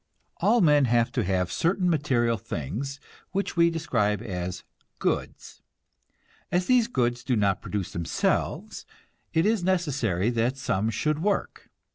All men have to have certain material things which we describe as goods. As these goods do not produce themselves, it is necessary that some should work.